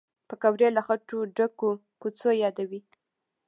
پکورې له خټو ډکو کوڅو یادوي